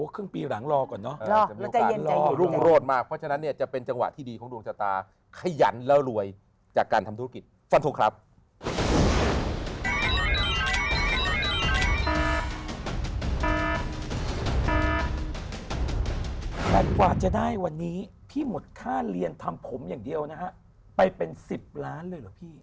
แต่กว่าจะได้วันนี้พี่หมดค่าเรียนทำผมอย่างเดียวนะฮะไปเป็น๑๐ล้านเลยเหรอพี่